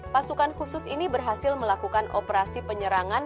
pasukan khusus ini berhasil melakukan operasi penyerangan